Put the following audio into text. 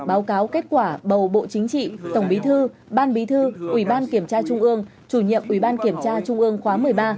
báo cáo kết quả bầu bộ chính trị tổng bí thư ban bí thư ủy ban kiểm tra trung ương chủ nhiệm ủy ban kiểm tra trung ương khóa một mươi ba